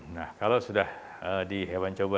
nah kalau sudah di hewan coba